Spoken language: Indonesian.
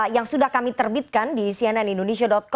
yang sudah kami terbitkan di cnn indonesia